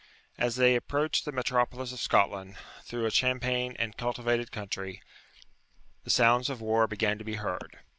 As they approached the metropolis of Scotland, through a champaign and cultivated country, the sounds of war began to be heard.